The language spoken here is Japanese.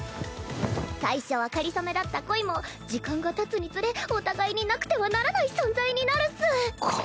最初はかりそめだった恋も時間がたつにつれお互いになくてはならない存在になるっス。